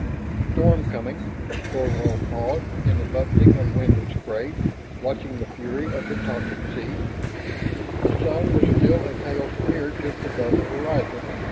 "... storm coming." Thorvald paused in the buffeting of wind and spray, watching the fury of the tossing sea. The sun was still a pale smear just above the horizon.